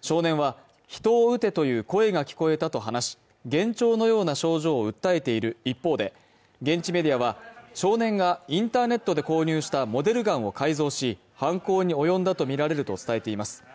少年は人を撃てという声が聞こえたと話し幻聴のような症状を訴えている一方で現地メディアは少年がインターネットで購入したモデルガンを改造し犯行に及んだとみられると伝えています